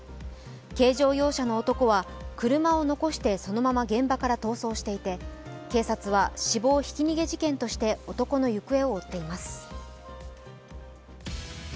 軽乗用車の男は車を残してそのまま現場から逃走していて警察は死亡ひき逃げ事件として男の行方を追っています。